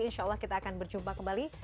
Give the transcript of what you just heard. insya allah kita akan berjumpa kembali